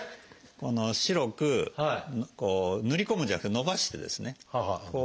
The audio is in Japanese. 白くこう塗り込むんじゃなくてのばしてですねこう。